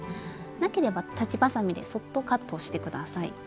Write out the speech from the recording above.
なければ裁ちばさみでそっとカットして下さい。